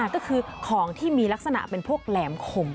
ก็คือของที่มีลักษณะเป็นพวกแหลมข่ม